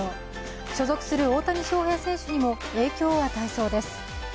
所属する大谷翔平選手にも影響を与えそうです。